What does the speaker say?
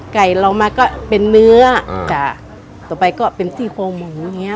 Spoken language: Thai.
เรามาก็เป็นเนื้อจ้ะต่อไปก็เป็นซี่โครงหมูอย่างเงี้